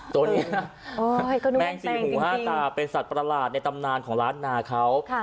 ตัวนี้นะแมงสี่หูห้าตาเป็นสัตว์ประหลาดในตำนานของร้านนาเขา